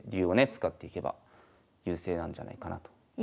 使っていけば優勢なんじゃないかなと思います。